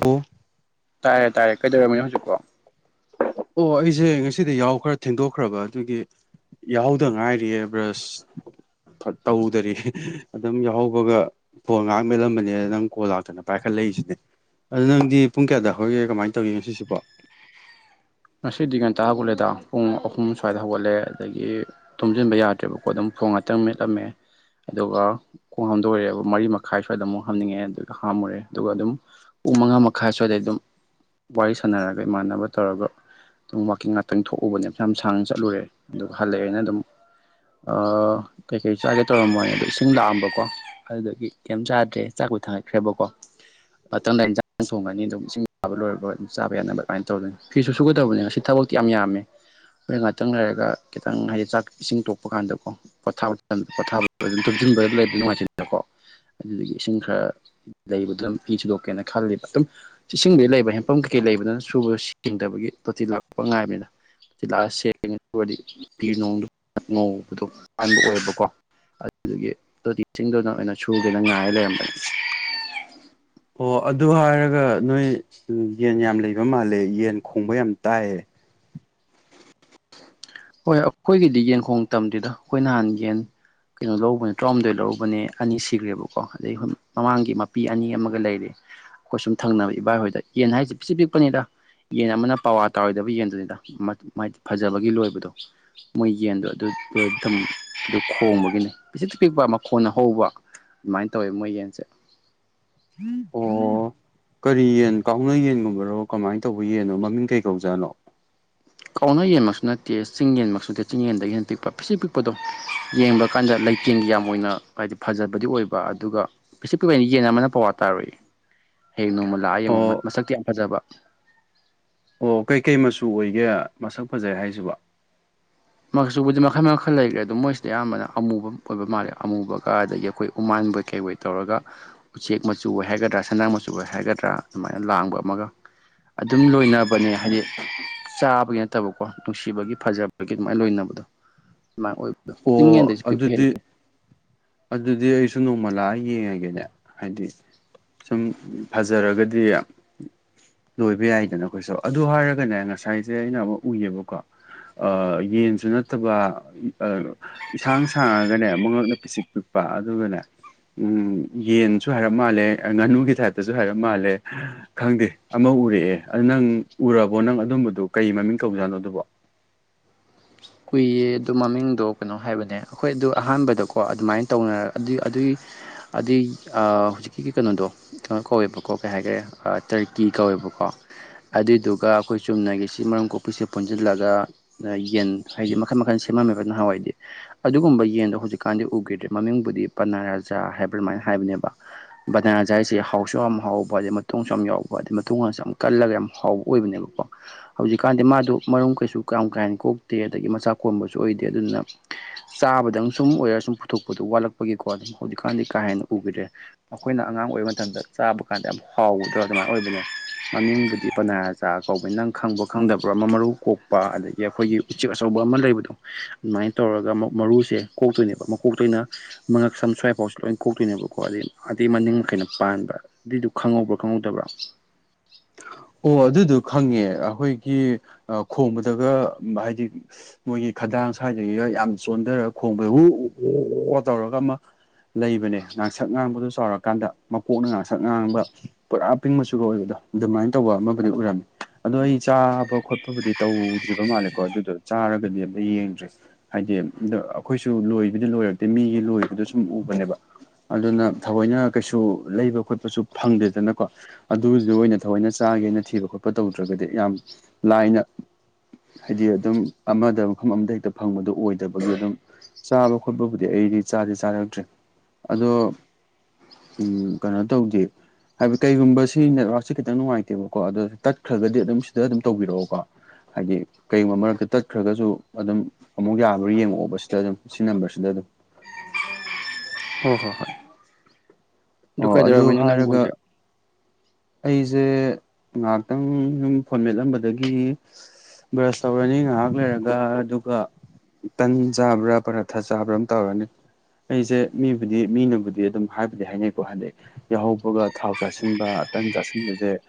ꯑꯣ ꯇꯥꯔꯦ ꯇꯥꯔꯦ ꯀꯩꯗꯧꯔꯝꯃꯤꯅꯣ ꯍꯧꯖꯤꯛꯄꯣ ꯑꯣ ꯑꯩꯁꯦ ꯉꯁꯤꯗꯤ ꯌꯥꯎꯈ꯭ꯔ ꯊꯦꯡꯗꯣꯛꯈ꯭ꯔꯕ ꯑꯗꯨꯒꯤ ꯌꯥꯎꯗ ꯉꯥꯏꯔꯤꯌꯦ ꯕ꯭ꯔꯁ ꯇꯧꯗꯔꯤ ꯑꯗꯨꯝ ꯌꯥꯎꯍꯧꯕꯒ ꯐꯣꯟ ꯉꯥꯛ ꯃꯦꯜꯂꯝꯕꯅꯤꯅ ꯅꯪ ꯀꯣꯜ ꯂꯥꯛꯇꯅ ꯄꯥꯏꯈꯠꯂ ꯑꯩꯁꯤꯅꯦ ꯑꯗꯨ ꯅꯪꯗꯤ ꯄꯨꯡ ꯀꯌꯥꯗ ꯍꯧꯒꯦ ꯀꯃꯥꯏꯅ ꯇꯧꯒꯦ ꯉꯁꯤꯁꯤꯕꯣ ꯉꯁꯤꯗꯤ ꯉꯟꯇꯥꯒꯠꯂꯦꯗ ꯄꯨꯡ ꯑꯍꯨꯝ ꯁ꯭ꯋꯥꯏꯗ ꯍꯧꯒꯠꯂꯦ ꯑꯗꯒꯤ ꯇꯨꯝꯁꯤꯟꯕ ꯌꯥꯗ꯭ꯔꯦꯕꯀꯣ ꯑꯗꯨꯝ ꯈꯣꯡ ꯉꯥꯛꯇꯪ ꯃꯦꯠꯂꯝꯃꯦ ꯑꯗꯨꯒ ꯈꯣꯡ ꯍꯥꯝꯗꯣꯏꯔꯦꯕ ꯃꯔꯤ ꯃꯈꯥꯏ ꯁ꯭ꯋꯥꯏꯗ ꯑꯃꯨꯛ ꯍꯥꯝꯅꯤꯡꯉꯦ ꯑꯗꯨꯒ ꯍꯥꯝꯃꯨꯔꯦ ꯑꯗꯨꯒ ꯑꯗꯨꯝ ꯄꯨꯡ ꯃꯉꯥ ꯃꯈꯥꯏ ꯁ꯭ꯋꯥꯏꯗꯏ ꯑꯗꯨꯝ ꯋꯥꯔꯤ ꯁꯥꯟꯅꯔꯒ ꯏꯃꯥꯟꯅꯕ ꯇꯧꯔꯒ ꯑꯗꯨꯝ ꯋꯥꯋꯀꯤꯡ ꯉꯥꯛꯇꯪ ꯊꯣꯛꯎꯕꯅꯦ ꯃ ꯁꯥꯡꯅ ꯆꯠꯂꯨꯔꯦ ꯑꯗꯨꯒ ꯍꯜꯂꯛꯑꯦꯅ ꯑꯗꯨꯝ ꯀꯩꯀꯩ ꯆꯥꯒꯦ ꯇꯧꯔꯝꯃꯣꯏꯅꯦ ꯑꯗꯣ ꯏꯁꯤꯡ ꯂꯥꯛꯑꯝꯕꯀꯣ ꯑꯗꯨꯗꯒꯤ ꯀꯩꯝ ꯆꯥꯗ꯭ꯔꯦ ꯊꯥꯈ꯭ꯔꯦꯕꯀꯣ ꯃꯗ ꯌꯦꯟꯖꯥꯡ ꯊꯣꯡꯒꯅꯤ ꯑꯗꯨꯝ ꯏꯁꯤꯡ ꯆꯥꯕ ꯂꯣꯏ ꯑꯗꯨꯝ ꯆꯥ ꯌꯥꯅꯕ ꯑꯗꯨꯃꯥꯏꯅ ꯇꯧꯗꯣꯏꯅꯤ ꯐꯤ ꯁꯨ ꯁꯨꯒꯗꯕꯅꯦ ꯉꯁꯤ ꯊꯕꯛꯇꯤ ꯌꯥꯝ ꯌꯥꯝꯃꯦ ꯍꯣꯔꯣꯏ ꯉꯥꯛꯇꯪ ꯂꯩꯔꯒ ꯈꯤꯇꯪ ꯍꯥꯏꯗꯤ ꯆꯥꯛ ꯏꯁꯤꯡ ꯇꯣꯛꯄ ꯀꯥꯟꯗꯀꯣ ꯄꯣꯊꯥꯕ ꯃꯇꯝꯗ ꯄꯣ ꯑꯗꯨ ꯑꯟꯕꯗ ꯂꯩꯕ ꯅꯨꯡꯉꯥꯏꯁꯤꯗꯅꯀꯣ ꯑꯗꯨꯗꯒꯤ ꯏꯁꯤꯡ ꯈꯔ ꯂꯩꯕ ꯑꯗꯨꯝ ꯍ ꯁꯨꯗꯣꯛꯀꯦꯅ ꯈꯜꯂꯤꯕ ꯑꯗꯨꯝ ꯏꯁꯤꯡꯕꯨꯗꯤ ꯂꯩꯕ ꯍꯦꯟꯐꯝ ꯀꯩꯩ ꯀ ꯂꯩꯕꯅꯤꯅ ꯁꯨꯕꯗ ꯁꯦꯡꯗꯕꯒꯤ ꯇꯣꯇꯤ ꯂꯥꯛꯄ ꯉꯥꯏꯕꯅꯤꯅ ꯁꯤ ꯂꯥꯛꯑꯒ ꯁꯦꯡꯉꯔꯗꯤ ꯐꯤꯅꯨꯡꯗꯨ ꯉꯧꯕꯗꯣ ꯄꯥꯟꯕꯥꯟꯕ ꯑꯣꯏꯕꯀꯣ ꯑꯗꯨꯒꯤ ꯇꯣꯇꯤꯁꯤꯡꯗꯨꯅ ꯑꯣꯏꯅ ꯁꯨꯗꯅ ꯉꯥꯏꯔ ꯂꯩꯔꯝꯕꯅꯤ ꯑꯣ ꯑꯗꯨ ꯍꯥꯏꯔꯒ ꯅꯣꯏ ꯌꯦꯟ ꯌꯥꯝ ꯂꯩꯕ ꯃꯥꯜꯂꯦ ꯌꯦꯟ ꯈꯣꯡꯕ ꯌꯥꯝ ꯇꯥꯏꯌꯦ ꯍꯣꯏ ꯑꯩꯈꯣꯏꯒꯤꯗꯤ ꯌꯦꯟꯈꯣꯡ ꯇꯝꯗꯗ ꯑꯩꯈꯣꯏ ꯅꯍꯥꯟ ꯌꯦꯟ ꯀꯩꯅꯣ ꯂꯧꯕꯅꯦ ꯇꯔꯥꯍꯨꯝꯗꯣꯏ ꯂꯧꯕꯅꯦ ꯑꯅꯤ ꯁꯤꯈ꯭ꯔꯦꯕꯀꯣ ꯑꯗꯩ ꯃꯃꯥꯡꯒꯤ ꯃꯄꯤ ꯑꯅꯤ ꯑꯃꯒ ꯂꯩꯔꯦ ꯑꯩꯈꯣꯏ ꯁꯨꯝ ꯊꯪꯅꯕ ꯏꯕꯥꯏ ꯍꯣꯏꯗ ꯌꯦꯟ ꯍꯥꯏꯁꯦ ꯄꯤꯛꯁꯤ ꯄꯤꯛꯄꯅꯤꯗ ꯌꯦꯟ ꯑꯃꯅ ꯄꯋꯥ ꯇꯥꯔꯣꯏꯗꯕ ꯌꯦꯟꯗꯨꯅꯤꯗ ꯃꯥꯗꯤ ꯐꯖꯕꯒꯤ ꯂꯣꯏꯕꯗꯣ ꯃꯣꯏ ꯌꯦꯟꯗꯣ ꯑꯗꯨꯝ ꯑꯗꯨ ꯈꯣꯡꯕꯒꯤꯅꯤ ꯄꯤꯁꯤꯛ ꯄꯤꯛꯄ ꯃꯈꯣꯟꯅ ꯍꯧꯕ ꯑꯗꯨꯃꯥꯏꯅ ꯇꯧꯋꯦ ꯃꯣꯏ ꯌꯦꯟꯁꯦ ꯑꯣ ꯀꯔꯤ ꯌꯦꯟ ꯀꯥꯎꯅ ꯌꯦꯟꯒꯨꯝꯕꯔꯣ ꯀꯃꯥꯏꯅ ꯇꯧꯕ ꯌꯦꯟꯅꯣ ꯃꯃꯤꯡ ꯀꯩ ꯀꯧꯖꯥꯠꯅꯣ ꯀꯥꯎꯅ ꯌꯦꯟꯕꯁꯨ ꯅꯠꯇꯦ ꯆꯤꯡ ꯌꯦꯟꯕꯁꯨ ꯅꯠꯇꯦ ꯆꯤꯡ ꯌꯦꯟꯗꯒꯤꯅ ꯄꯤꯛꯄ ꯐꯤꯤꯁ ꯄꯤꯛꯄꯗꯣ ꯌꯦꯡꯕ ꯀꯥꯟꯗꯠ ꯂꯩꯇꯦꯡ ꯌꯥꯝ ꯑꯣꯏꯅ ꯍꯥꯏꯗꯤ ꯐꯖꯕꯗꯤ ꯑꯣꯏꯕ ꯑꯗꯨꯒ ꯄ꯭ꯊꯤ ꯄꯤꯛꯩꯅ ꯌꯦꯟ ꯑꯃꯅ ꯄꯋꯥ ꯇꯥꯔꯛꯏ ꯍꯌꯦꯡ ꯅꯣꯡꯃ ꯂꯥꯛꯑ ꯌꯦꯡꯉꯃ ꯑꯣ ꯃꯁꯛꯇꯤ ꯌꯥꯝ ꯐꯖꯕ ꯑꯣ ꯀꯩꯀꯩ ꯃꯆꯨ ꯑꯣꯏꯒꯦ ꯃꯁꯛ ꯐꯖꯩ ꯍꯥꯏꯁꯤꯕ ꯃꯁꯨꯕꯨꯗꯤ ꯃꯈꯜ ꯃꯈꯜ ꯂꯩꯈ꯭ꯔꯦ ꯑꯗꯨ ꯃꯣꯏꯁꯤꯗ ꯑꯌꯥꯝꯕꯅ ꯑꯃꯨꯕ ꯑꯣꯏꯕ ꯃꯥꯜꯂꯦ ꯑꯃꯨꯕꯒ ꯑꯗꯒꯤ ꯑꯩꯈꯣꯏ ꯎꯃꯥꯟ ꯟꯕꯣꯏ ꯀꯩꯕꯩ ꯇꯧꯔꯒ ꯎꯆꯦꯛ ꯃꯆꯨ ꯑꯣꯏ ꯍꯥꯏꯒꯗ꯭ꯔꯥ ꯁꯅꯥ ꯃꯆꯨ ꯑꯣꯏ ꯍꯥꯏꯒꯗ꯭ꯔꯥ ꯑꯗꯨꯃꯥꯏꯅ ꯂꯥꯡꯕ ꯑꯃꯒ ꯑꯗꯨꯝ ꯂꯣꯏꯅꯕꯅꯦ ꯍꯥꯏꯗꯤ ꯆꯥꯕꯒꯤ ꯅꯠꯇꯕꯀꯣ ꯅꯨꯡꯁꯤꯕꯒꯤ ꯐꯖꯕ ꯥꯏꯅ ꯂꯣꯏꯅꯕꯗꯣ ꯑꯗꯨꯃꯥꯏ ꯑꯣꯏꯕꯗ ꯆꯤꯡ ꯑꯣ ꯌꯦꯟꯗꯩꯁꯨ ꯄꯤꯛꯄ ꯑꯗꯨꯗꯤ ꯑꯗꯨꯗꯤ ꯑꯩꯁꯨ ꯅꯣꯡꯃꯂꯥ ꯌꯦꯡꯉꯒꯦꯅꯦ ꯍꯥꯏꯗꯤ ꯁꯨꯝ ꯐꯖꯔꯒꯗꯤ ꯂꯣꯏꯕ ꯌꯥꯏꯗꯅ ꯑꯩꯈꯣꯏꯁꯨ ꯑꯗꯨ ꯍꯥꯏꯔꯒꯅꯦ ꯉꯁꯥꯏꯁꯦ ꯑꯩꯅ ꯑꯃꯨꯛ ꯎꯏꯌꯦꯕꯀꯣ ꯌꯦꯟꯁꯨ ꯅꯠꯇꯕ ꯏꯁꯁꯥꯡ ꯁꯥꯡꯉꯒꯅꯦ ꯃꯉꯛꯅ ꯄꯤꯁꯤꯛ ꯏꯄꯥ ꯑꯗꯨꯒꯅꯦ ꯎꯝ ꯌꯦꯟꯁꯨ ꯍꯥꯏꯔꯞ ꯃꯥꯜꯂꯦ ꯉꯥꯅꯨꯒꯤ ꯇꯥꯏꯞꯇꯁꯨ ꯍꯥꯏꯔꯞ ꯃꯥꯜꯂꯦ ꯈꯪꯗꯦ ꯑꯃ ꯎꯔꯛꯑꯦ ꯑꯗꯨ ꯅꯪ ꯎꯔꯕꯣ ꯅꯪ ꯑꯗꯨꯝꯕꯗꯨꯣ ꯀꯩ ꯃꯃꯤꯡ ꯇꯧꯖꯥꯠꯅꯣ ꯑꯗꯨꯕꯣ [unintelligible] [inaudible] ꯎꯨꯏꯌꯦ ꯑꯗꯨ ꯃꯃꯤꯡꯗꯣ ꯀꯩꯅꯣ ꯍꯥꯏꯕꯅꯦ ꯑꯩꯈꯣꯏ ꯑꯗꯨ ꯑꯍꯥꯟꯕꯗꯀꯣ ꯑꯗꯨꯃꯥꯏꯅ ꯇꯧꯅꯔ ꯑꯗꯨꯏ ꯑꯗꯨꯒꯤ ꯑꯗꯨꯩ ꯍꯧꯖꯤꯛꯀꯤ ꯀꯩꯅꯣꯗꯣ ꯀꯩꯅꯣ ꯀꯧꯋꯦꯕꯀꯣ ꯀꯩ ꯍꯥꯏꯈꯔꯦ ꯇꯔꯀꯤ ꯀꯧꯋꯦꯕ ꯀꯣ ꯑꯗꯨꯏꯗꯨꯒ ꯑꯩꯈꯣꯏ ꯆꯨꯝꯅꯒꯤꯁꯤ ꯃꯔꯝ ꯀꯣꯛꯄꯤꯁꯦ ꯄꯨꯟꯁꯤꯜꯂꯒ ꯌꯦꯟ ꯍꯥꯏꯗꯤ ꯃꯈꯜ ꯃꯈꯜ ꯁꯦꯝꯃꯝꯃꯦꯕ ꯅꯍꯥꯟꯋꯥꯏꯗꯤ ꯑꯗꯨꯒꯨꯝꯕ ꯌꯦꯟꯗꯣ ꯍꯧꯖꯤꯛꯀꯥꯟꯗꯤ ꯎꯈꯤꯗ꯭ꯔꯦ ꯃꯃꯤꯡꯕꯨꯗꯤ ꯄꯅꯥꯔꯥꯖ ꯍꯥꯏꯕ ꯑꯗꯨꯃꯅ ꯍꯥꯏꯕꯅꯦꯕ ꯕꯅꯥꯅꯥ ꯖꯥ ꯍꯥꯏꯁꯦ ꯍꯥꯎꯁꯨ ꯌꯥꯝ ꯍꯥꯎꯕ ꯑꯗꯩ ꯃꯇꯨꯡꯁꯨ ꯌꯥꯝ ꯌꯥꯎꯕ ꯑꯗ ꯃꯇꯨꯡ ꯀꯜꯂꯒ ꯌꯥꯝ ꯍꯥꯎꯕ ꯑꯣꯏꯕꯅꯦꯕꯀꯣ ꯍꯧꯖꯤꯛꯀꯥꯟꯗꯤ ꯃꯥꯗꯣ ꯃꯔꯨꯝ ꯀꯩꯁꯨ ꯀꯔꯝ ꯀꯥꯏꯅꯣꯛ ꯠꯇꯦ ꯑꯗꯒꯤ ꯃꯆꯥ ꯀꯣꯝꯕꯁꯨ ꯑꯣꯏꯗꯦ ꯑꯗꯨꯅ ꯆꯥꯕꯗꯪ ꯁꯨꯝ ꯑꯣꯏꯔꯒ ꯁꯨꯝ ꯄꯨꯊꯣꯛꯄꯗꯣ ꯋꯥꯠꯂꯛꯄꯒꯤꯀꯣ ꯑꯗꯨꯝ ꯍꯧꯖꯤꯛꯀꯥꯟꯗꯤ ꯀꯥ ꯍꯦꯟꯅ ꯎꯈꯤꯗꯔꯦ ꯑꯩꯈꯣꯏꯅ ꯑꯉꯥꯡ ꯑꯣꯏꯔꯤꯕ ꯃꯇꯝꯗ ꯆꯥꯕ ꯀꯥꯟꯗ ꯌꯥꯝ ꯍꯥꯎꯗ꯭ꯔꯥ ꯑꯗꯨꯃꯥꯏꯅ ꯑꯣꯏꯕꯅꯦ ꯃꯃꯤꯡꯗꯨꯗꯤ ꯄꯟꯔ ꯆꯥꯒ ꯀꯧꯕꯅꯤ ꯅꯪ ꯈꯪꯕ ꯈꯪꯗꯕ꯭ꯔꯥ ꯑꯃ ꯃꯔꯨ ꯀꯣꯛꯄ ꯑꯗꯒꯤ ꯑꯩꯈꯣꯏꯒꯤ ꯎꯆꯦꯛ ꯑꯆꯧꯕ ꯑꯃ ꯂꯩꯕꯗꯣ ꯑꯗꯨꯃꯥꯏꯅ ꯇꯧꯔꯒ ꯑꯃꯨꯛ ꯃꯔꯨꯁꯦ ꯀꯣꯛꯇꯣꯏꯅꯦꯕ ꯑꯃꯨ ꯀꯣꯛꯇꯣꯏꯅ ꯃꯉꯛꯁꯝ ꯁ꯭ꯋꯥꯏꯐꯥꯎꯁꯦ ꯂꯣꯏ ꯀꯣꯛꯇꯣꯏꯅꯦꯕꯀꯣ ꯑꯩ ꯑꯗꯩ ꯃꯅꯤꯡ ꯀꯩꯅ ꯄꯥꯟꯕ ꯑꯗꯨꯏꯗꯨꯣ ꯈꯪꯍꯧꯕ꯭ꯔꯥ ꯈꯪꯍꯧꯗꯕ꯭ꯔꯥ [unintelligible] [inaudible] ꯑꯣ ꯑꯗꯨꯗꯣ ꯈꯪꯉꯦ ꯑꯩꯈꯣꯏꯒꯤ ꯈꯣꯝꯕꯗꯒ ꯍꯥꯏꯗꯤ ꯃꯣꯏꯒꯤ ꯈꯗꯥꯡ ꯉꯁꯥꯏꯗꯒꯤꯒ ꯌꯥꯝ ꯆꯣꯟꯊꯔꯒ ꯈꯣꯡꯕꯩ ꯍ ꯑꯣ ꯑꯣ ꯇꯧꯔꯒ ꯑꯃ ꯂꯩꯕꯅꯦ ꯉꯥꯡꯁꯛ ꯉꯥꯡꯕꯗꯨ ꯆꯥꯎꯔꯀꯥꯟꯗ ꯃꯀꯣꯛꯅ ꯉꯥꯡꯁꯛ ꯉꯥꯡꯕ ꯄꯨꯔꯥ ꯄꯤꯡ ꯃꯆꯒ ꯑꯣꯏꯕꯗꯣ ꯑꯗꯨꯃꯥꯏꯅ ꯇꯧꯕ ꯑꯃꯕꯨꯗꯤ ꯎꯔꯝꯃꯤ ꯑꯗꯣ ꯑꯩ ꯆꯥꯕ ꯈꯣꯠꯄꯕꯨꯗꯤ ꯇꯧꯗ꯭ꯔꯤꯕ ꯃꯥꯜꯂꯦꯀꯣ ꯑꯗꯨꯗꯣ ꯆꯥꯔꯒꯗꯤ ꯑꯝꯇ ꯌꯦꯡꯗ꯭ꯔꯦ ꯍꯥꯏꯗꯤ ꯑꯗ ꯑꯩꯈꯣꯏꯁꯨ ꯂꯣꯏꯕꯗꯤ ꯂꯣꯏꯔꯛꯇꯦ ꯃꯤꯒꯤ ꯂꯣꯏꯕꯗꯨ ꯁꯨꯝ ꯎꯕꯅꯦꯕ ꯑꯗꯨꯅ ꯊꯑꯣꯏꯅ ꯀꯩꯁꯨ ꯂꯩꯕ ꯈꯣꯠꯄꯁꯨ ꯐꯪꯗꯦꯗꯅꯀꯣ ꯑꯗꯨꯗꯨ ꯑꯣꯏꯅ ꯊꯑꯣꯏꯅ ꯆꯥꯒꯦꯅ ꯊꯤꯕ ꯈꯣꯠꯄ ꯇꯧꯗ꯭ꯔꯒꯗꯤ ꯌꯥꯝ ꯂꯥꯏꯅ ꯍꯥꯏꯗꯤ ꯑꯗꯨꯝ ꯑꯃꯗ ꯃꯐꯝ ꯑꯃꯗ ꯍꯦꯛꯇ ꯐꯪꯕꯗꯣ ꯑꯣꯏꯗꯕꯒꯤ ꯑꯗꯨꯝ ꯆꯥꯕ ꯈꯣꯠꯄꯕꯨꯗꯤ ꯑꯩꯗꯤ ꯆꯥꯗꯤꯦ ꯆꯥꯔꯛꯇ꯭ꯔꯦ ꯑꯗꯣ ꯎꯝ ꯀꯩꯅꯣ ꯇꯧꯗꯦ ꯍꯥꯏꯕꯗꯤ ꯀꯩꯒꯨꯝꯕꯕꯁꯤ ꯅꯦꯠꯋꯥꯛꯁꯤꯦ ꯈꯤꯇꯪ ꯅꯨꯡꯉꯥꯏꯇꯦ ꯅꯠꯇꯦꯕꯀꯣ ꯑꯗꯣ ꯇꯠꯈ꯭ꯔꯒꯗꯤ ꯑꯗꯨꯝ ꯁꯤꯗ ꯑꯗꯨꯝ ꯇꯧꯕꯤꯔꯛꯑꯣꯀꯣ ꯍꯥꯏꯗꯤ ꯀꯩꯒꯨꯝꯕ ꯃꯔꯛꯇ ꯆꯠꯈ꯭ꯔꯒꯁꯨ ꯑꯗꯨꯝ ꯑꯃꯨꯛ ꯌꯥꯕ꯭ꯔ ꯌꯦꯡꯉꯛꯑꯣꯕꯁꯤꯗ ꯑꯗꯨꯝ ꯁꯤ ꯅꯝꯕꯔꯁꯤꯗ ꯑꯗꯨꯝ ꯍ ꯍꯣ ꯍꯣꯏ [inaudible] ꯑꯣ ꯑꯗꯨ ꯀꯩꯗꯧꯔꯝꯃꯤꯅꯣ ꯅꯪꯕꯨ ꯍꯥꯏꯔꯒ ꯍꯧꯖꯤꯛ ꯑꯩꯁꯦ ꯉꯥꯏꯍꯥꯛꯇꯪ ꯁꯨꯝ ꯐꯣꯟ ꯃꯦꯠꯂꯝꯕꯗꯒꯤ ꯕ꯭ꯔꯁ ꯇꯧꯔꯅꯤ ꯉꯥꯏꯍꯥꯛ ꯂꯩꯔꯒ ꯑꯗꯨꯒ ꯇꯟ ꯆꯥꯕ꯭ꯔꯥ ꯄꯔꯥꯊꯥ ꯆꯥꯕ꯭ꯔꯥ ꯑꯃ ꯇꯧꯔꯅꯤ ꯑꯩꯁꯦ ꯃꯤꯕꯨꯗꯤ ꯃꯤꯅꯕꯨꯗꯤ ꯑꯗꯨꯝ ꯍꯥꯏꯕꯨꯗꯤ ꯍꯥꯏꯅꯩ ꯍꯥꯏꯗꯤ ꯌꯥꯎꯍꯧꯕꯒ ꯊꯥꯎ ꯆꯥꯁꯤꯟꯕ ꯑꯇꯪ ꯆꯥꯁꯤꯟꯕꯁꯦ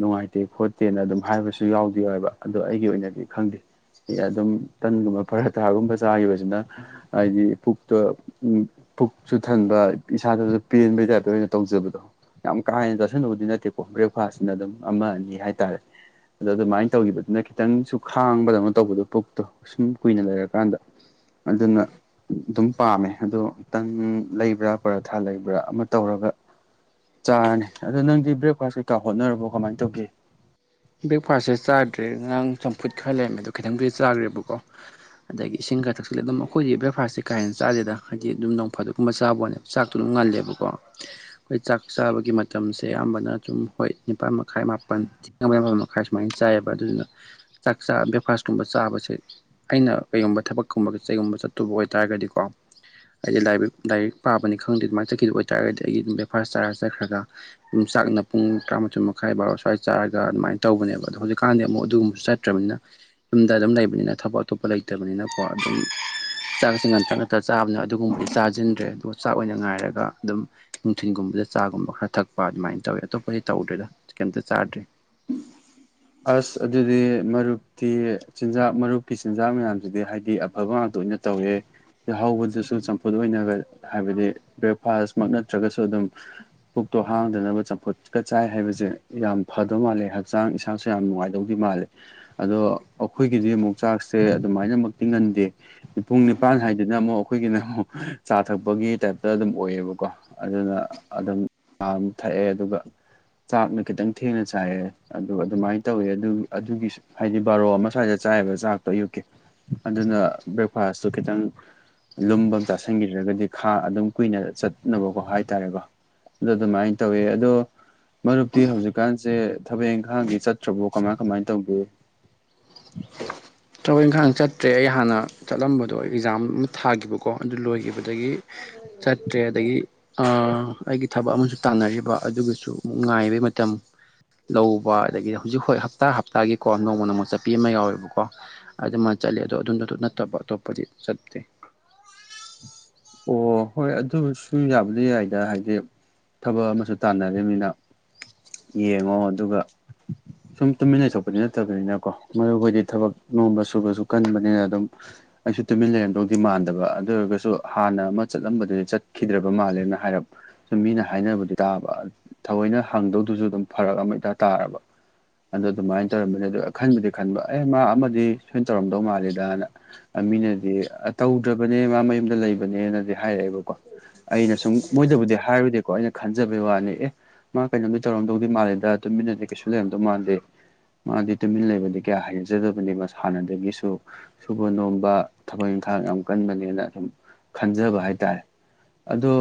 ꯅꯨꯡꯉꯥꯏꯇꯦ ꯈꯣꯠꯇꯦ ꯦꯅ ꯑꯗꯨꯝ ꯍꯥꯏꯕꯁꯨ ꯌꯥꯎꯗꯣ ꯍꯥꯏꯕ ꯑꯗꯣ ꯑꯩꯒꯤ ꯑꯣꯏꯅꯗꯤ ꯈꯪꯗꯦ ꯑꯗꯨꯝ ꯇꯟꯒꯨꯝꯕ ꯐꯔ ꯊꯥꯒꯨꯝꯕ ꯆꯥꯈꯤꯕꯁꯤꯅ ꯍꯥꯏꯗꯤ ꯄꯨꯛꯇꯣ ꯎ ꯄꯨꯛꯁꯨ ꯊꯟꯕ ꯏꯁꯥꯗꯁꯨ ꯄꯦꯟꯕꯩ ꯇꯥꯏꯞꯇ ꯑꯣꯏꯅ ꯇꯧꯖꯕꯗꯣ ꯌꯥꯝ ꯀꯥ ꯍꯦꯟꯅ ꯆꯥꯥꯁꯟꯅꯨꯕꯗꯤ ꯅꯠꯇꯦꯀꯣ ꯕ꯭ꯔꯦꯛꯐꯥꯁꯁꯤꯅ ꯑꯗꯨꯝ ꯑꯃ ꯑꯅꯤ ꯍꯥꯏꯇꯥꯔꯦ ꯑꯗ ꯑꯗꯨꯃꯥꯏꯅ ꯇꯧꯈꯤꯕꯗꯨꯅ ꯈꯤꯇꯪꯁꯨ ꯈꯥꯡꯕꯗꯧꯅ ꯇꯧꯕꯗꯣ ꯄꯨꯛꯇꯣ ꯁꯨꯝ ꯀꯨꯏꯅ ꯂꯩꯔꯀꯥꯟꯗ ꯑꯗꯨꯅ ꯑꯗꯨꯝ ꯄꯥꯝꯃꯦ ꯑꯗꯣ ꯇꯪꯟ ꯂꯩꯕ꯭ꯔꯥ ꯄꯔꯥꯊꯥ ꯂꯩꯕ꯭ꯔꯥ ꯑꯃ ꯇꯧꯔꯒ ꯆꯥꯔꯅꯤ ꯑꯗꯣ ꯅꯪꯗꯤ ꯕ꯭ꯔꯦꯛꯐꯥꯁ ꯀꯩꯀꯥ ꯍꯣꯠꯅꯔꯕꯣ ꯀꯃꯥꯏꯅ ꯇꯧꯒꯦ ꯕ꯭ꯔꯦꯛꯐꯥꯁꯁꯦ ꯆꯥꯗ꯭ꯔꯦ ꯑꯔꯥꯡ ꯆꯝꯐꯨꯠ ꯈꯔ ꯂꯩꯔꯝꯃꯦ ꯑꯗꯣ ꯈꯤꯇꯪꯗꯤꯗꯤ ꯆꯥꯈ꯭ꯔꯦꯕꯀꯣ ꯑꯗꯒꯤ ꯏꯁꯤꯡ ꯀꯩ ꯀꯊꯛꯁꯤꯂ ꯑꯗꯨꯝ ꯑꯩꯈꯣꯏꯗꯤ ꯕ꯭ꯔꯦꯛꯐꯥꯁꯁ ꯀꯥꯦ ꯆꯗꯦꯗ ꯍꯥꯏꯗꯤ ꯑꯗꯨꯝꯅꯣꯡ ꯐꯥꯛꯒꯨꯝꯕ ꯆꯥꯕꯣꯅꯦꯕ ꯆꯥꯛꯇ ꯉꯜꯂꯦꯕꯀꯣ ꯑꯩꯈꯣꯏ ꯆꯥꯛ ꯆꯥꯕꯒꯤ ꯃꯇꯝꯁꯦ ꯑꯌꯥꯝꯕꯅ ꯁꯨꯝ ꯍꯣꯏ ꯅꯤꯄꯥꯥꯟ ꯃꯈꯥꯏ ꯃꯥꯄꯜ ꯐꯝ ꯃꯈꯥꯏ ꯁꯨꯃꯥꯏꯅ ꯆꯥꯏꯑꯕ ꯑꯗꯨꯗꯨꯅ ꯆꯥꯛ ꯆꯥ ꯕ꯭ꯔꯦꯛꯐꯥꯁ ꯀꯨꯝꯕ ꯆꯥꯕꯁꯦ ꯑꯩꯅ ꯀꯩꯒꯨꯝꯕ ꯊꯒꯨꯝ ꯆꯇꯨꯕ ꯑꯣꯏꯔꯒꯗꯤꯀꯣ ꯑꯩꯗꯤ ꯂꯥꯏꯔꯤꯛ ꯄꯥꯕꯅꯤ ꯈꯪꯗꯦ ꯑꯗꯨꯃꯥꯏꯅ ꯆꯠꯈꯤꯈꯤꯕ ꯑꯣꯏꯇꯥꯥꯔꯒꯗꯤ ꯑꯩ ꯑꯗꯨ ꯕꯦꯐꯔꯁ ꯆꯥꯔ ꯆꯠꯈ꯭ꯔꯒ ꯆꯥꯛꯅ ꯄꯨꯡ ꯇꯔꯥꯃꯥꯊ ꯃꯈꯥꯏ ꯕꯥꯕ ꯁ꯭ꯋꯥꯏ ꯆꯥꯔ ꯑꯗꯨꯃꯥꯏꯅ ꯇꯧꯕꯅꯦꯕ ꯑꯗꯣ ꯍꯧꯖꯤꯛꯀꯥꯟꯗꯤ ꯑꯃꯨꯛ ꯑꯗꯨꯒꯨꯝꯕꯁꯨ ꯆꯠꯇ꯭ꯔꯕꯅꯤꯅ ꯌꯨꯝꯗ ꯑꯗꯨꯝ ꯂꯩꯕꯅꯤꯅ ꯊꯕꯛ ꯑꯇꯣꯞꯄ ꯂꯩꯇꯕꯅꯤꯅ ꯑꯄ ꯑꯗꯨꯝ ꯆꯥꯛꯁꯤ ꯉꯟꯇꯛ ꯉꯥꯛꯇꯛ ꯆꯥꯕꯅ ꯑꯗꯨꯒꯨꯝꯕꯗꯤ ꯆꯥꯁꯤꯟꯗ꯭ꯔꯦ ꯑꯗꯨꯒ ꯆꯥꯛ ꯑꯣꯏꯅ ꯉꯥꯏꯔꯒ ꯑꯗꯨꯝ ꯅꯨꯡꯊꯤꯟꯒꯨꯝꯕꯗ ꯆꯥꯒꯨꯝꯕ ꯈꯔ ꯊꯛꯄ ꯑꯗꯨꯃꯥꯏꯅ ꯇꯧꯋꯤ ꯑꯇꯣꯞꯄꯁ ꯇꯧꯗ꯭ꯔꯦꯗ ꯀꯩꯝꯇ ꯆꯥꯗ꯭ꯔꯤ ꯑꯁ ꯑꯗꯨꯗꯤ ꯃꯔꯨꯞꯇꯤ ꯆꯤꯟꯖꯥꯛ ꯃꯔꯨꯞꯀꯤ ꯆꯤꯟꯖꯥꯛ ꯃꯌꯥꯝꯁꯤꯗꯤ ꯍꯥꯏꯗꯤ ꯑꯐꯕꯇ ꯇꯣꯏꯅ ꯇꯧꯋꯦ ꯍꯧꯕꯗꯨꯁꯨ ꯆꯝꯐꯨꯠ ꯑꯣꯏꯅ ꯍꯥꯏꯕꯗꯤ ꯕ꯭ꯔꯦꯛꯐꯥꯁꯃꯛ ꯅꯠꯇ꯭ꯔꯒꯁꯨ ꯑꯗꯨꯝ ꯄꯨꯛꯇꯣ ꯍꯥꯡꯗꯅꯕ ꯆꯝꯐꯨꯠꯀ ꯆꯥꯏ ꯍꯥꯏꯕꯁꯦ ꯌꯥꯝ ꯐꯗꯕ ꯃꯥꯜꯂꯦ ꯍꯛꯆꯥꯡ ꯏꯁꯥꯡ ꯌꯥꯝ ꯅꯨꯡꯉꯥꯏꯗꯧꯗꯤ ꯃꯥꯜꯂꯦ ꯑꯗꯣ ꯑꯩꯈꯣꯏꯒꯤꯗꯤ ꯑꯃꯨꯛ ꯆꯥꯛꯁꯦ ꯑꯗꯨꯃꯥꯏꯅꯃꯛ ꯇꯤꯡꯍꯟꯗꯦ ꯄꯨꯡ ꯅꯤꯄꯥꯟ ꯍꯥꯏꯗꯅ ꯑꯃꯨꯛ ꯑꯩꯈꯣꯏꯒꯤꯅ ꯑꯃꯨꯛ ꯆꯥ ꯊꯛꯄꯒꯤ ꯇꯥꯏꯞꯇ ꯑꯗꯨꯝ ꯑꯣꯏꯌꯦꯕꯀꯣ ꯑꯗꯨꯅ ꯑꯗꯨꯝ ꯆꯥ ꯊꯛꯑꯦ ꯑꯗꯨꯒ ꯆꯥꯛꯅ ꯈꯤꯇꯪ ꯊꯦꯡꯅ ꯆꯥꯏꯑꯦ ꯑꯗꯨꯒ ꯑꯗꯨꯃꯥꯏꯅ ꯇꯧꯏꯦ ꯑꯗꯨ ꯑꯗꯨꯒꯤꯁꯨ ꯍꯥꯏꯗꯤ ꯕꯥꯔꯣ ꯑꯃ ꯁ꯭ꯋꯥꯏꯗ ꯆꯥꯏꯕ ꯆꯥꯛꯇꯣ ꯑꯌꯨꯛꯀꯤ ꯑꯗꯨꯅ ꯕ꯭ꯔꯦꯛꯐꯥꯁꯇꯨ ꯈꯤꯇꯪ ꯂꯨꯝꯕ ꯆꯥꯥꯁꯟꯈꯤꯗ꯭ꯔꯒꯗꯤ ꯈꯥ ꯑꯗꯨꯝ ꯀꯨꯏꯅ ꯆꯠꯅꯕꯀꯣ ꯍꯥꯏꯇꯥꯔꯦꯀꯣ ꯑꯗꯨ ꯑꯗꯨꯃꯥꯏꯅ ꯇꯧꯋꯦ ꯑꯗꯣ ꯃꯔꯨꯞꯇꯤ ꯍꯧꯖꯤꯛꯀꯥꯟꯁꯦ ꯊꯕꯛ ꯏꯪꯈꯥꯡꯒꯤ ꯆꯠ ꯆꯧꯕꯣ ꯀꯃꯥꯏ ꯀꯃꯥꯏꯅ ꯇꯧꯒꯦ ꯇ꯭ꯔꯥꯕꯦꯜ ꯏꯪꯈꯥꯡ ꯆꯠꯇ꯭ꯔꯦ ꯑꯩ ꯍꯥꯟꯅ ꯆꯠꯂꯝꯕꯗꯣ ꯑꯦꯛꯖꯥꯝ ꯑꯃ ꯊꯥꯈꯤꯕꯀꯣ ꯑꯗꯨ ꯂꯣꯏꯈꯤꯕꯗꯒꯤ ꯆꯠꯇ꯭ꯔꯦ ꯑꯗꯒꯤ ꯑꯩꯒꯤ ꯊꯕꯛ ꯑꯃꯁꯨ ꯇꯥꯟꯅꯔꯤꯕ ꯑꯗꯨꯒꯤꯁꯨ ꯑꯃꯨꯛ ꯉꯥꯏꯕꯩ ꯃꯇꯝ ꯂꯧꯕ ꯑꯗꯒꯤꯗꯤ ꯍꯧꯖꯤꯛ ꯍꯣꯏ ꯍꯞꯇꯥ ꯍꯞꯇꯥꯒꯤꯀꯣ ꯅꯣꯡꯃ ꯅꯣꯡꯃ ꯆꯠꯄꯤ ꯑꯃ ꯌꯥꯎꯋꯦꯕꯀꯣ ꯑꯗꯨꯗꯤ ꯃꯥ ꯆꯠꯂꯤ ꯑꯗꯣ ꯑꯗꯨꯗꯁꯨ ꯅꯠꯇꯕ ꯑꯇꯣꯞꯄꯗꯤ ꯆꯠꯇꯦ ꯑꯣ ꯍꯣꯏ ꯑꯗꯨ ꯁꯨꯝ ꯌꯥꯕꯗꯤ ꯌꯥꯏꯗ ꯍꯥꯏꯗꯤ ꯊꯕꯛ ꯑꯃꯁꯨ ꯇꯥꯟꯅꯅꯤꯅ ꯌꯦꯡꯉꯣ ꯑꯗꯨꯒ ꯁꯨꯝ ꯇꯨꯃꯤꯟꯅ ꯂꯩꯊꯣꯛꯄꯗꯤ ꯅꯠꯇꯕꯅꯤꯅꯀꯣ ꯃꯔ ꯑꯩꯣꯏꯗꯤ ꯊꯕꯛ ꯅꯣꯝꯕ ꯁꯨꯕꯁꯨ ꯀꯟꯕꯅꯤꯅ ꯑꯗꯨꯝ ꯑꯩꯁꯨ ꯇꯨꯃꯤꯟ ꯂꯩꯔꯝꯗꯧꯗꯤ ꯃꯥꯟꯗꯕ ꯑꯗꯨ ꯑꯣꯏꯔꯒꯁꯨ ꯍꯥꯟꯅ ꯑꯃ ꯆꯠꯂꯝꯕꯗꯨꯗꯤ ꯆꯠꯈꯤꯗ꯭ꯔꯕ ꯃꯥꯜꯂꯦꯅ ꯍꯥꯏꯔꯞ ꯁꯨꯝ ꯃꯤꯅ ꯍꯥꯏꯅꯕꯗꯤ ꯇꯥꯕ ꯊ ꯑꯩꯈꯣꯏꯅ ꯍꯪꯗꯧꯗꯨꯁꯨ ꯑꯗꯨꯝ ꯐꯔꯛ ꯑꯃ ꯏꯇꯥ ꯇꯥꯔꯕ ꯑꯗꯨꯗ ꯑꯗꯨꯃꯥꯏꯅ ꯇꯧꯔꯝꯕꯅꯤ ꯑꯗꯨ ꯈꯟꯕꯗꯤ ꯈꯟꯕ ꯑꯦ ꯃꯥ ꯑꯃꯗꯤ ꯁꯣꯏꯅ ꯇꯧꯔꯝꯗꯧ ꯃꯥꯂꯦꯗꯅ ꯃꯤꯅꯗꯤ ꯇꯧꯗ꯭ꯔꯕꯅꯦ ꯃꯥ ꯃꯌꯨꯝꯗ ꯂꯩꯕꯅꯦꯅꯗꯤ ꯍꯥꯏꯔꯛꯑꯦꯕꯀꯣ ꯑꯩꯅ ꯁꯨꯝ ꯃꯣꯏꯗꯕꯨꯗꯤ ꯍꯥꯏꯔꯨꯗꯦꯀꯣ ꯑꯩꯅ ꯈꯟꯖꯕꯩ ꯋꯥꯅꯤ ꯑꯦ ꯃꯥ ꯀꯩꯅꯣꯝꯗꯤ ꯇꯧꯔꯝꯗꯧꯗꯤ ꯃꯥꯜꯂꯦꯗ ꯇꯨꯃꯤꯟꯅꯗꯤ ꯀꯩꯁꯨ ꯂꯩꯔꯝꯗꯧ ꯃꯥꯥꯟꯗꯦ ꯃꯥꯗꯤ ꯇꯨꯃꯤꯟ ꯂꯩꯕꯗꯤ ꯀꯌꯥ ꯍꯅꯖꯗꯕꯅꯤ ꯃꯥ ꯁꯥꯟꯅꯗꯒꯤꯁꯨ ꯁꯨꯕ ꯅꯣꯝꯕ ꯊꯕꯛ ꯈꯊꯥꯡ ꯌꯥꯝ ꯀꯟꯕꯅꯦꯅ ꯑꯗꯨꯨꯝ ꯈꯟꯖꯕ ꯍꯥꯏꯇꯥꯔꯦ ꯑꯗꯣ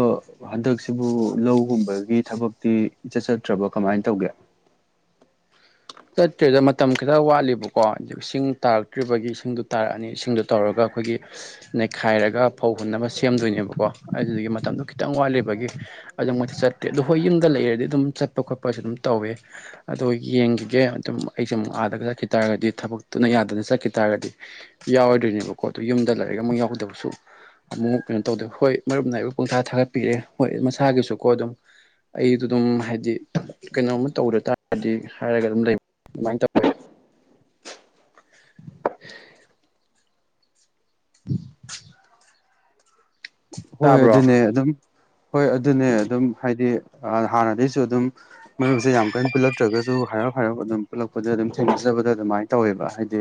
ꯍꯟꯗꯛꯁꯤꯕꯨ ꯂꯧꯒꯨꯝꯕꯒꯤ ꯊꯕꯛꯇꯤꯆꯠ ꯆꯠꯇ꯭ꯔꯕ ꯀꯃꯥꯏꯅ ꯇꯧꯒꯦ [unintelligible] ꯆꯠꯇ꯭ꯔꯦꯗ ꯃꯇꯝ ꯈꯤꯇ ꯋꯥꯠꯂꯤꯕꯀꯣ ꯑꯗꯨ ꯏꯁꯤꯡ ꯇꯥꯔꯛꯇ꯭ꯔꯤꯕꯒꯤ ꯏ ꯁꯤꯡꯗꯣ ꯇꯥꯔꯛꯑꯅꯤ ꯏꯁꯤꯡꯗꯨꯣ ꯇꯧꯔꯒ ꯑꯩꯈꯣꯏꯒꯤ ꯅꯩꯈꯥꯏꯔꯒ ꯐꯧ ꯍꯨꯟꯅꯕ ꯁꯦꯝꯗꯣꯏꯅꯦꯕꯀꯣ ꯑꯗꯨꯗꯒꯤ ꯃꯇꯝꯗꯨꯣ ꯈꯤꯇꯪ ꯋꯥꯠꯂꯤꯕꯒꯤ ꯑꯗꯨ ꯃꯣꯏꯗꯤ ꯆꯠꯇꯦ ꯑ ꯍꯣꯏ ꯌꯨꯝꯗ ꯂꯩꯔꯗꯤ ꯑꯗꯨꯝ ꯆꯠꯄ ꯈꯣꯠꯄꯁꯨ ꯑꯗꯨꯝ ꯇꯧꯋꯦ ꯑꯗꯣ ꯌꯦꯡꯒꯤ ꯑꯗꯨꯝ ꯑꯩꯁꯦ ꯑꯃꯨꯛ ꯑꯥꯗꯒ ꯆꯠꯈꯤ ꯇꯥꯔꯒꯗꯤ ꯊꯕꯛꯇꯨꯅ ꯌꯥꯗꯅ ꯆꯠꯈꯤ ꯇꯥꯔꯒꯗꯤ ꯌꯥꯎꯔꯣꯏꯗꯣꯏꯅꯦꯕꯀꯣ ꯗꯨ ꯌꯨꯝꯗ ꯂꯩꯔꯒ ꯑꯃꯨ ꯌꯥꯎꯗꯕꯁꯨ ꯑꯃꯨꯛ ꯀꯩꯅꯣ ꯇꯧꯗ ꯍꯣꯏ ꯃꯔꯨꯞ ꯅ ꯑꯩꯕꯨ ꯄꯨꯡꯊꯥ ꯊꯥꯒꯠꯄꯤꯔꯦ ꯍꯣꯏ ꯃꯁꯥꯒꯤꯁꯨꯀꯣ ꯑꯗꯨꯝ ꯑꯩꯗꯨ ꯗꯨꯝ ꯍꯥꯏꯗꯤ ꯀꯩꯅꯣꯝꯃ ꯇꯧꯔ ꯇꯥꯔꯗꯤ ꯍꯥꯏꯔꯒ ꯂꯩ ꯑꯗꯨꯃꯥꯏꯟ ꯇꯧꯋꯤ ꯎ ꯍꯣꯏ ꯑꯗꯨꯅꯦ ꯑꯗꯨꯝ ꯍꯣꯏ ꯑꯗꯨꯅꯦ ꯎꯝ ꯑꯗꯨꯝ ꯍꯥꯏꯗꯤ ꯑ ꯍꯥꯟꯅꯗꯩꯁꯨ ꯑꯗꯨꯝ ꯃꯔꯨꯞꯁꯦ ꯌꯥꯝ ꯀꯟ ꯄꯨꯂꯛꯇ꯭ꯔꯒꯁꯨ ꯍꯥꯏꯔꯞ ꯍꯥꯏꯔꯞ ꯑꯗꯨꯝ ꯄꯨꯜꯂꯛꯄꯗ ꯑꯗꯨꯝ ꯊꯦꯡꯅꯖꯔ ꯒꯕꯗ ꯑꯗꯨꯃꯥꯏꯟ ꯇꯧꯋꯦꯕ ꯍꯥꯏꯗꯤ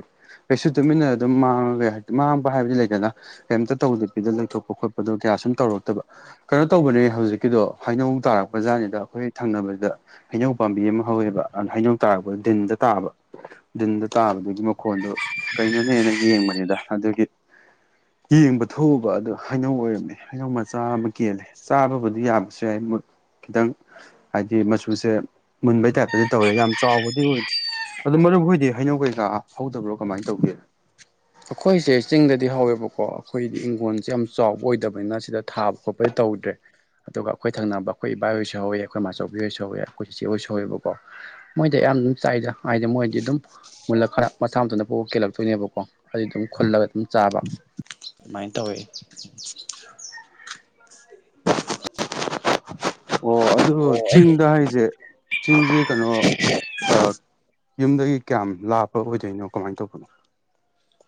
ꯀꯩꯁꯨ ꯇꯨꯃꯤꯟꯅ ꯑꯗꯨꯝ ꯃꯥꯡꯉꯒ ꯂꯩ ꯍꯥꯏꯗꯤ ꯃꯥꯡꯕ ꯍꯥꯏꯕꯗꯤ ꯂꯩꯗꯅ ꯀꯩꯏꯝ ꯇꯧꯗꯄꯤꯗ ꯂꯩꯊꯣꯛꯄ ꯈꯣꯠ ꯄꯗꯣ ꯀꯌꯥ ꯁꯨꯝ ꯇꯧꯔꯛꯇꯕ ꯀꯩꯅꯣ ꯇꯧꯕꯅꯦ ꯍꯧꯖꯤꯛꯀꯤꯗꯣ ꯍꯩꯅꯧ ꯇꯥꯔꯛꯄ ꯖꯥꯠꯅꯤꯗ ꯑꯈꯣꯏ ꯊꯪꯅꯕꯖꯤꯗ ꯍꯩꯅꯧ ꯄꯥꯝꯕꯤ ꯑꯃ ꯍꯧꯋꯦꯕ ꯑꯅ ꯍꯩꯅꯧ ꯇꯥꯔꯛꯄꯗ ꯗꯤꯟꯗ ꯇꯥꯕ ꯗꯤꯟꯗ ꯇꯥꯕꯗꯨꯒꯤ ꯃꯈꯣꯟ ꯗꯨ ꯀꯩꯅꯣꯅꯦ ꯍꯦꯅ ꯌꯦꯡꯕꯅꯤꯗ ꯑꯗꯨꯒꯤ ꯌꯦꯡꯕ ꯊꯣꯛꯎꯕ ꯑꯗꯨ ꯍꯩꯅꯧ ꯑꯣꯏꯔꯝꯃꯦ ꯍꯩꯅꯧ ꯃꯆꯥ ꯑꯃ ꯀꯦꯜꯂꯦ ꯆꯥꯕꯕꯨꯗꯤ ꯌꯥꯕꯁꯨ ꯌꯥꯏ ꯃꯨꯠ ꯈꯤꯗꯪ ꯍꯥꯏꯗꯤ ꯃꯆꯨꯁꯦ ꯃꯨꯟꯕꯩ ꯇꯥꯏꯞꯇꯗꯤ ꯇꯧꯔꯦ ꯌꯥꯝ ꯆꯥꯎꯕꯗꯤ ꯑꯣꯏꯗꯤ ꯑꯗꯣ ꯃꯔꯨꯞ ꯍꯣꯏꯗꯤ ꯍꯩꯅꯧ ꯀꯩꯀꯥ ꯍꯧꯗꯕ꯭ꯔꯣ ꯀꯃꯥꯏꯟ ꯇꯧꯒꯦ ꯑꯈꯣꯏꯁꯦ ꯆꯤꯡꯗꯗꯤ ꯍꯧꯋꯦꯕꯀꯣ ꯑꯈꯣꯏꯗꯤ ꯏꯡꯒꯣꯟꯁꯦ ꯌꯥꯝ ꯆꯥꯎꯕ ꯑꯣꯏꯗꯕꯅꯤꯅ ꯁꯤꯗ ꯊꯥꯕ ꯈꯣꯠꯄꯗꯤ ꯇꯧꯏ ꯗꯦ ꯑꯗꯨꯒ ꯑꯈꯣꯏ ꯊꯪꯅꯕ ꯑꯈꯣꯏ ꯏꯕꯥꯏ ꯍꯣꯏꯁꯨ ꯍꯧꯋꯦ ꯑꯈꯣꯏ ꯃꯆꯧꯕꯤ ꯑꯣꯏꯁꯨ ꯍꯧꯋꯤ ꯑꯈꯣꯏ ꯆꯤꯆꯦ ꯑꯣꯏꯁꯨ ꯍꯧꯋꯦꯕꯀꯣ ꯃꯣꯏꯗ ꯑꯌ ꯌꯥꯝ ꯆꯥꯏꯗ ꯍꯥꯏꯗꯤ ꯃꯣꯏꯗꯤ ꯑꯗꯨꯝ ꯃꯨꯜꯂ ꯈꯔ ꯃꯊꯥ ꯃꯇꯟꯖ ꯄꯣꯛꯑ ꯀꯦꯜꯂꯛꯇꯣꯏꯅꯦꯕꯀꯣ ꯑꯩ ꯗꯨꯝ ꯈꯨꯜꯂꯒ ꯑꯗꯨꯝ ꯆꯥꯕ ꯑꯗꯨꯃꯥꯏꯟ ꯇꯧꯋꯦ [unintelligible] [inaudible] ꯑꯣ ꯑꯗꯨ ꯆꯤꯡꯗ ꯍꯥꯏꯖꯦ ꯆꯤꯡꯖꯦ ꯀꯅꯣ ꯑꯥ ꯌꯨꯝꯗꯒꯤ ꯀꯌꯥꯝ ꯂꯥꯞꯄ ꯑꯣꯏꯗꯣꯏꯅꯣ ꯀꯃꯥꯏꯟ ꯇꯧꯕꯅꯣ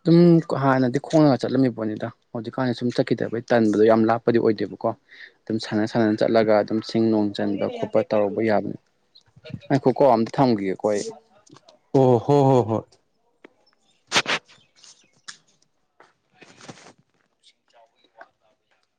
ꯑꯗꯨꯝ ꯍꯥꯟꯅꯗꯤ ꯈꯣꯡꯉꯒ ꯆꯠꯂꯝꯃꯤꯕꯣꯠꯅꯤꯗ ꯍꯧꯖꯤꯛꯀꯥꯟꯗꯤ ꯁꯨꯝ ꯆꯠꯈꯤꯗꯕꯩ ꯇꯟꯕꯗꯣ ꯌꯥꯝ ꯂꯥꯛꯄꯗꯤ ꯑꯣꯏꯗꯦꯕ ꯀꯣ ꯑꯗꯨꯝ ꯁꯥꯟꯅ ꯁꯥꯟꯅꯅ ꯆꯠꯂꯒ ꯑꯗꯨꯝ ꯁꯤꯡ ꯅꯣꯡ ꯆꯟꯕ ꯈꯣꯄ ꯇꯧꯔꯕ ꯌꯥꯕꯅꯤ ꯉꯥꯏꯈꯣꯀꯣ ꯑꯝꯇ ꯊꯝꯒꯤꯒꯦꯀꯣ ꯑꯩ ꯑꯣ ꯍꯣ ꯍꯣ ꯍꯣꯏ [unintelligible]